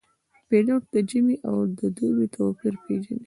پیلوټ د ژمي او دوبي توپیر پېژني.